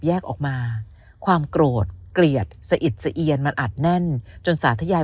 แยกออกมาความโกรธเกลียดสะอิดสะเอียนมันอัดแน่นจนสาธยา